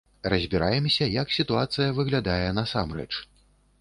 Разбіраемся, як сітуацыя выглядае насамрэч.